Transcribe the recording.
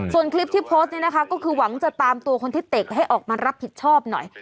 ส่วนคลิปที่โพสต์นี่นะคะก็คือหวังจะตามตัวคนที่เตะให้ออกมารับผิดชอบหน่อย